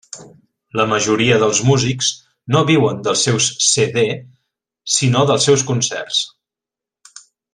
La majoria dels músics no viuen dels seus CD, sinó dels seus concerts.